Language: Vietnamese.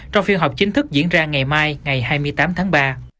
trong phiên họp chính thức diễn ra ngày mai ngày hai mươi tám tháng ba